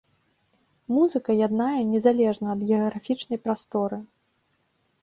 Музыка яднае незалежна ад геаграфічнай прасторы.